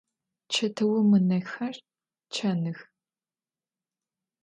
Çetıum ınexer çanıx.